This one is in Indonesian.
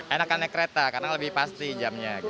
enak karena kereta karena lebih pasti jamnya